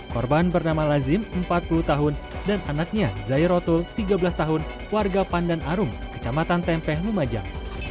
korban bernama lazim empat puluh tahun dan anaknya zairotul tiga belas tahun warga pandan arum kecamatan tempe lumajang